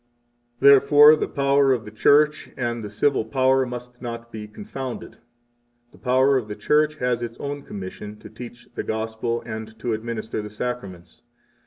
12 Therefore the power of the Church and the civil power must not be confounded. The power of the Church has its own commission to teach the Gospel and 13 to administer the Sacraments.